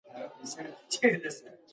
خوب د ورځني نظم برخه ده.